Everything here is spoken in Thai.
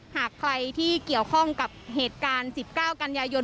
หากใครที่เกี่ยวข้องกับเหตุการณ์๑๙กันยายน